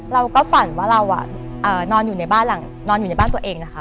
เราก็ฝันว่าเรานอนอยู่ในบ้านหลังนอนอยู่ในบ้านตัวเองนะคะ